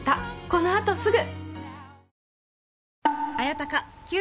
このあとすぐ！